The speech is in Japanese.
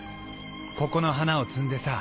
ここの花を摘んでさ